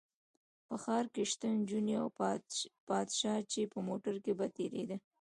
په ښار کې شته نجونې او پادشاه چې په موټر کې به تېرېده.